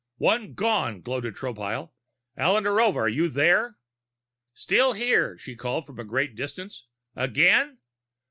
"One gone!" gloated Tropile. "Alla Narova, are you there?" "Still here," she called from a great distance. "Again?"